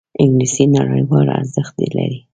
انګلیسي نړیوال ارزښت لري